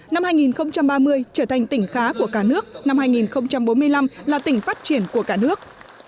năm hai nghìn ba mươi trở thành tỉnh khá của cả nước năm hai nghìn bốn mươi năm là tỉnh phát triển của cả nước